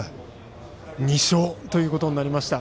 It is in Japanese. ２勝ということになりました。